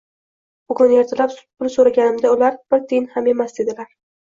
Bugun ertalab pul so'raganimda, ular: "Bir tiyin ham emas", dedilar